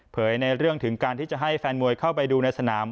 ในเรื่องถึงการที่จะให้แฟนมวยเข้าไปดูในสนาม